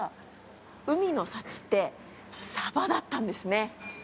海の幸ってサバだったんですね。